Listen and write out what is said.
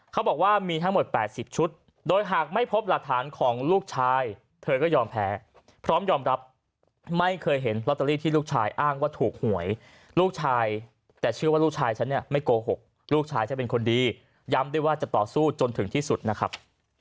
เขาบอกว่ามีทั้งหมด๘๐ชุดโดยหากไม่พบหลักฐานของลูกชายเธอก็ยอมแพ้พร้อมยอมรับไม่เคยเห็นลอตเตอรี่ที่ลูกชายอ้างว่าถูกหวยลูกชายแต่เชื่อว่าลูกชายฉันเนี่ยไม่โกหกลูกชายฉันเป็นคนดีย้ำได้ว่าจะต่อสู้จนถึงที่สุดนะครับ